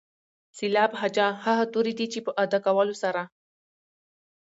سېلاب هجا هغه توري دي چې په ادا کولو سره.